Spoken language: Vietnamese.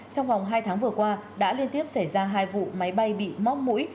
trong vòng hai tháng vừa qua đã liên tiếp xảy ra hai vụ máy bay bị móc mũi